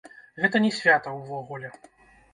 Гэта не свята ўвогуле.